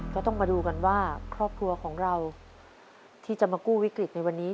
ก็ต้องมาดูกันว่าครอบครัวของเราที่จะมากู้วิกฤตในวันนี้